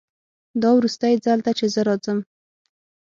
دا وروستی ځل ده چې زه راځم